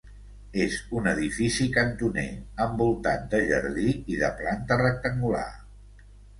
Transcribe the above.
És un edifici cantoner, envoltat de jardí i de planta rectangular.